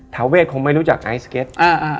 ทาเวสคงไม่รู้จักไอศกรรม